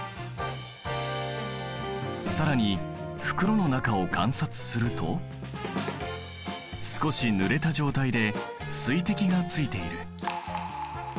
更に袋の中を観察すると少しぬれた状態で水滴がついている。